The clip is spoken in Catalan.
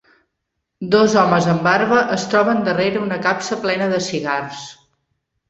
Dos homes amb barba es troben darrere una capsa plena de cigars.